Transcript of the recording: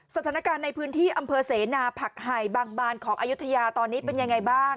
สถานการณ์ในพื้นที่อำเภอเสนาผักไห่บางบานของอายุทยาตอนนี้เป็นยังไงบ้าง